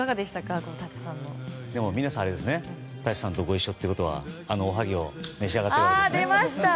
皆さん舘さんとご一緒ってことはあのおはぎを召し上がっているわけですね。